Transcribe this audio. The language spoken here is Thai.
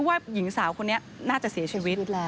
นึกว่าหญิงสาวคนนี้น่าจะเสียชีวิต